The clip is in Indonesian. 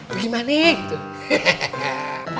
bikin manik tuh